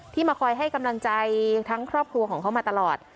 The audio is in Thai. มาคอยให้กำลังใจทั้งครอบครัวของเขามาตลอด